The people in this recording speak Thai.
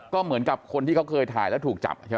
ก็เหมือนกับคนที่เขาเคยถ่ายแล้วถูกจับใช่ไหม